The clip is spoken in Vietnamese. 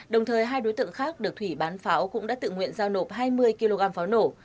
đồng thời hai đối tượng khác được thủy bán pháo cũng đã tự nguyện giao nộp hai mươi kg pháo nổ